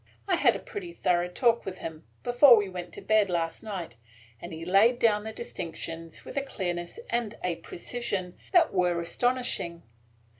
I had a pretty thorough talk with him, before we went to bed last night, and he laid down the distinctions with a clearness and a precision that were astonishing.